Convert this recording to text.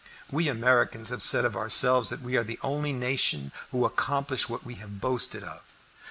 We Americans have said of ourselves that we are the only nation who accomplish what we have boasted of.